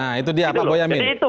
nah itu dia pak boyamin